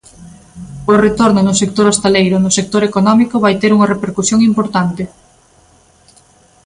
O retorno no sector hostaleiro, no sector económico, vai ter unha repercusión importante.